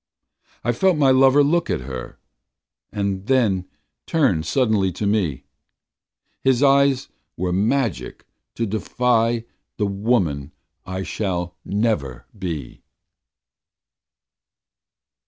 I felt my lover look at her And then turn suddenly to me His eyes were magic to defy The woman I shall never be.